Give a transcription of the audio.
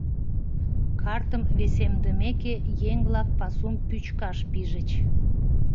Картым весемдымеке, еҥ-влак пасум пӱчкаш пижыч.